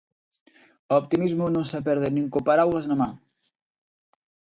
O optimismo non se perde nin co paraugas na man.